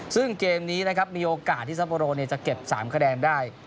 ซึ่งเกมนี้นะครับมีโอกาสที่ซัปโบโรจะเก็บ๓คะแนนได้